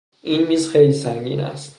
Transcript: این میز خیلی سنگین است.